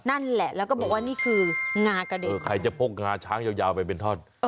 นั่นแหละแล้วก็บอกว่านี่คืองากระเด็ใครจะพกงาช้างยาวไปเป็นท่อน